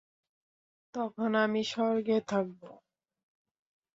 তখন আমি স্বর্গে থাকবো।